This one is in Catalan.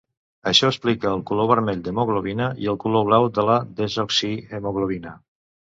Això explica el color vermell d'hemoglobina i el color blau de la desoxihemoglobina.